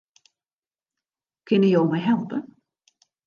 Kinne jo my helpe?